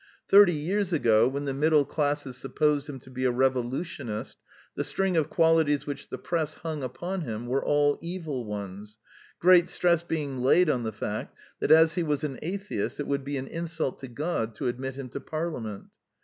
Thirty years ago, when the middle classes sup posed him to be a revolutionist, the string of qualities which the press hung upon him were all evil ones, great stress being laid on the fact that as he was an atheist it would be an insult to God to admit him to Parliament.